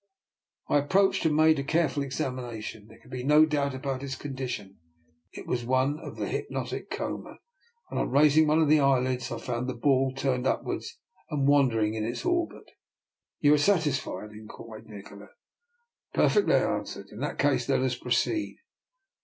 I approached and made a careful exam ination. There could be no doubt about his condition: it was one of the hypnotic coma; and on raising one of the eyelids I found the ball turned upwards and wandering in its orbit. " You are satisfied? " inquired Nikola. " Perfectly," I answered. " In that case let us proceed."